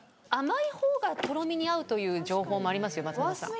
甘い方が、とろみに合うという情報もありますよ。